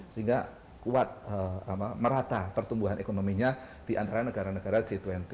sehingga kuat merata pertumbuhan ekonominya di antara negara negara g dua puluh